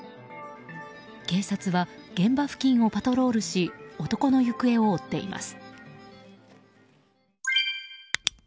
警察は現場付近をパトロールし男の行方を追っています。